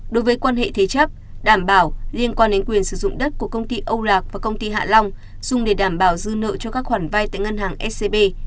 đối với quan hệ thế chấp đảm bảo liên quan đến quyền sử dụng đất của công ty âu lạc và công ty hạ long dùng để đảm bảo dư nợ cho các khoản vay tại ngân hàng scb